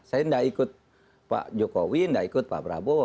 saya tidak ikut pak jokowi tidak ikut pak prabowo